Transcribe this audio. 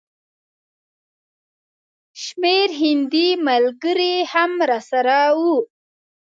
شمېر هندي ملګري هم راسره وو.